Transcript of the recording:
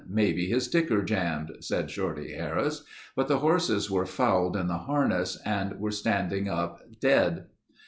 Maybe his ticker jammed," said Shorty Harris, "but the horses were fouled in the harness and were standing up dead."